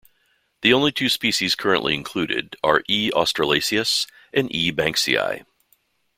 The only two species currently included are "E. australasius" and "E. banksii".